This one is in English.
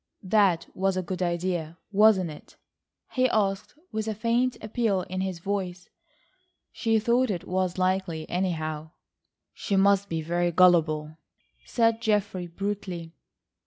"That was a good idea, wasn't it?" he asked with a faint appeal in his voice. "She thought it was likely, anyhow." "She must be very gullable," said Geoffrey brutally.